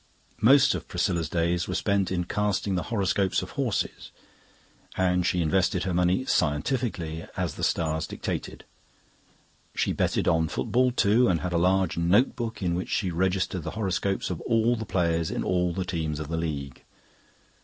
Most of Priscilla's days were spent in casting the horoscopes of horses, and she invested her money scientifically, as the stars dictated. She betted on football too, and had a large notebook in which she registered the horoscopes of all the players in all the teams of the League.